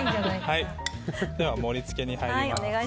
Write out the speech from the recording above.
では盛り付けに入ります。